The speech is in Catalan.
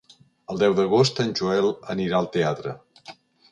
El deu d'agost en Joel anirà al teatre.